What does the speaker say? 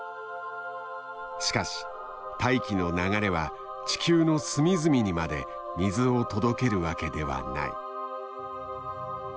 しかし大気の流れは地球の隅々にまで水を届けるわけではない。